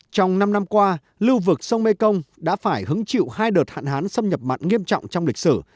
trong năm năm qua lưu vực sông mekong đã phải hứng chịu hai đợt hạn hán xâm nhập mặn nghiêm trọng trong lịch sử